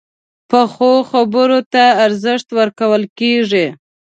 پخو خبرو ته ارزښت ورکول کېږي